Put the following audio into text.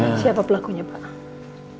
siapa pelakunya pak